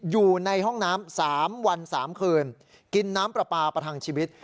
อยู่ในห้องน้ำ๓วัน๓คืนกินน้ำปลาปลาประทังชีวิต